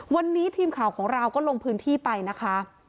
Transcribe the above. วันนี้ทีมข่าวของเราก็ลงพื้นที่ไปนะคะ